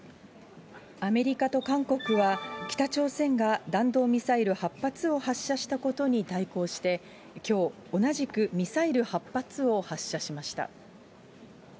アメリカと韓国は、北朝鮮が弾道ミサイル８発を発射したことに対抗して、きょう、同じくミサイル８発を発射しました。